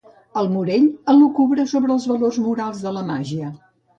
El Morell elucubra sobre els valors morals de la màgia.